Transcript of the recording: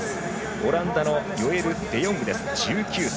オランダのヨエル・デヨング、１９歳。